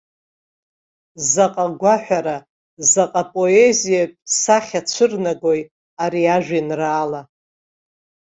Заҟа гәаҳәара, заҟа поезиатә сахьа цәырнагои ари ажәеинраала!